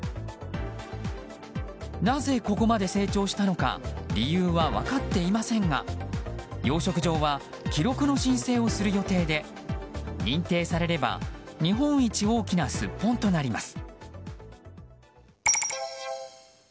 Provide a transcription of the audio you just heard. なぜここまで成長したのは理由は分かっていませんが養殖場は記録の申請をする予定で認定されれば日本一大きなスッポンとなります。